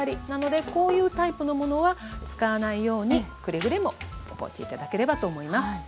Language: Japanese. なのでこういうタイプのものは使わないようにくれぐれも覚えて頂ければと思います。